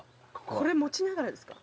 これ持ちながらですか？